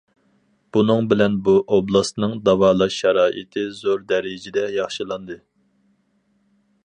بۇنىڭ بىلەن بۇ ئوبلاستنىڭ داۋالاش شارائىتى زور دەرىجىدە ياخشىلاندى.